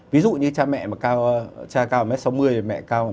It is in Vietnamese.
ví dụ như cha mẹ mà cao cha cao một m sáu mươi thì mẹ cao một m sáu mươi